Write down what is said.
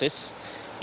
ini sangat membahas